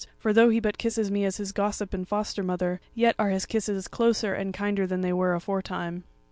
For though he but kisses me as his gossip and foster mother, yet are his kisses closer and kinder than they were aforetime."